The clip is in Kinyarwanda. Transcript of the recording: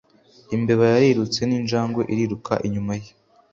Imbeba yarirutse ninjangwe iriruka inyuma ye